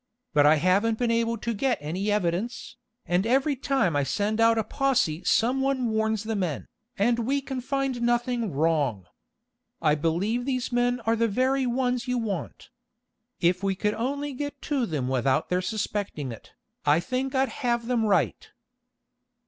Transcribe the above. But I haven't been able to get any evidence, and every time I sent out a posse some one warns the men, and we can find nothing wrong. I believe these men are the very ones you want. If we could only get to them without their suspecting it, I think I'd have them right."